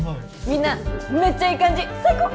みんなめっちゃいい感じ最高！